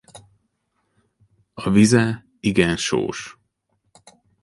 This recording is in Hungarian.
A vize igen sós.